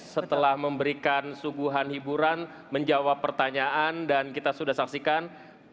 setelah memberikan suguhan hiburan menjawab pertanyaan dan kita sudah saksikan